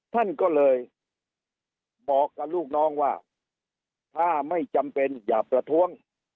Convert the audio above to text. ท่านก็เลยบอกกับลูกน้องว่าถ้าไม่จำเป็นอย่าประท้วง